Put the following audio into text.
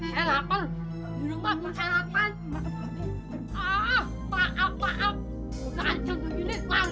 cepetan buat lo